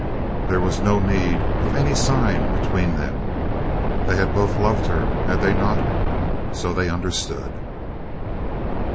There was no need of any sign between them. They had both loved her, had they not? So they understood.